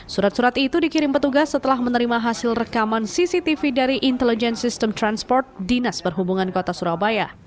surat surat itu dikirim petugas setelah menerima hasil rekaman cctv dari intelijen sistem transport dinas perhubungan kota surabaya